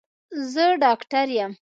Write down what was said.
زه ډاکټر يم.